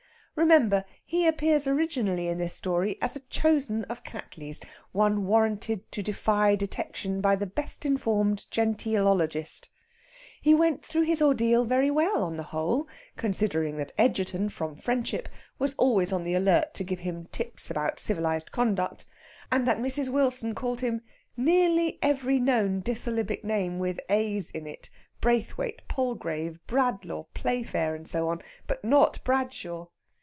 Remember, he appears originally in this story as a chosen of Cattley's, one warranted to defy detection by the best informed genteelologist. He went through his ordeal very well, on the whole, considering that Egerton (from friendship) was always on the alert to give him tips about civilised conduct, and that Mrs. Wilson called him nearly every known dissyllabic name with A's in it Brathwaite, Palgrave, Bradlaugh, Playfair, and so on, but not Bradshaw.